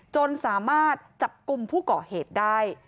จนสามารถจับกลุ่มผู้ก่อเหตุได้